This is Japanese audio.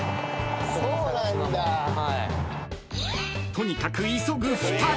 ［とにかく急ぐ２人］